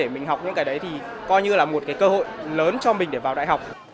mà học sinh có thể đăng ký